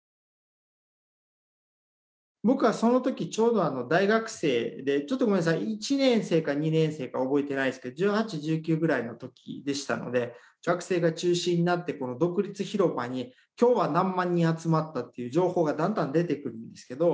僕はその時ちょうど大学生でちょっとごめんなさい１年生か２年生か覚えてないですけど１８１９ぐらいの時でしたので学生が中心になって独立広場に今日は何万人集まったっていう情報がだんだん出てくるんですけど